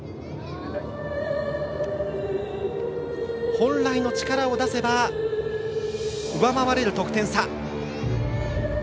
本来の力を出せば上回れる得点差。